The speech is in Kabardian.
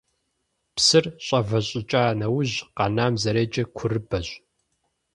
Псыр щIэвэщIыкIа нэужь къанэм зэреджэр курыбэщ.